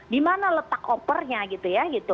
dimana letak opernya gitu ya